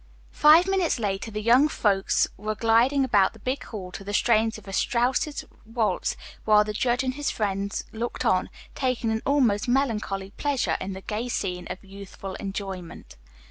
Five minutes later the young folks were gliding about the big hall to the strains of a Strauss' waltz, while the judge and his friends looked on, taking an almost melancholy pleasure in the gay scene of youthful enjoyment.